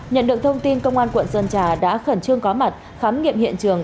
nhận được thông tin công an quận sơn trà đã khẩn trương có mặt khám nghiệm hiện trường